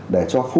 để cho phù hợp